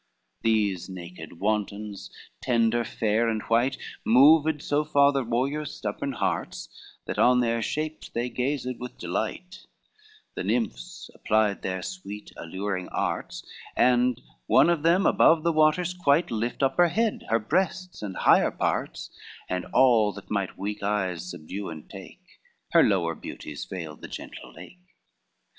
LIX These naked wantons, tender, fair and white, Moved so far the warriors' stubborn hearts, That on their shapes they gazed with delight; The nymphs applied their sweet alluring arts, And one of them above the waters quite, Lift up her head, her breasts and higher parts, And all that might weak eyes subdue and take, Her lower beauties veiled the gentle lake.